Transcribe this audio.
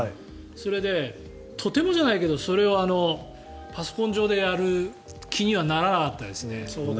それで、とてもじゃないけどそれをパソコン上でやる気にはならなかったですね。